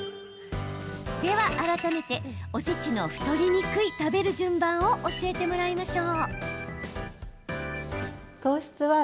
では、改めておせちの太りにくい食べる順番を教えてもらいましょう。